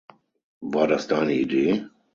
War das deine Idee?